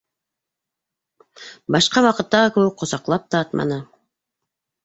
Башҡа ваҡыттағы кеүек ҡосаҡлап та атманы.